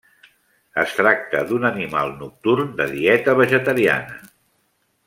Es tracta d'un animal nocturn de dieta vegetariana.